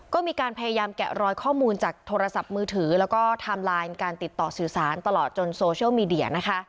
ก็มีการพยายามแกะรอยข้อมูลจากโทรศัพท์มือถือแล้วก็ไทม์ไลน์การติดต่อสื่อสารตลอดจนโซเชียลมีเดียนะคะ